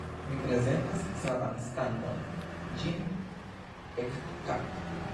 Mi prezentas savan stangon; ĝin ekkaptu.